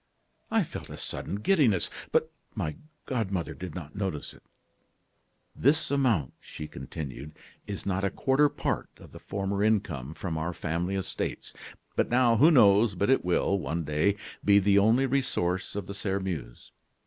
"I felt a sudden giddiness, but my godmother did not notice it. "'This amount,' she continued, 'is not a quarter part of the former income from our family estates. But now, who knows but it will, one day, be the only resource of the Sairmeuse?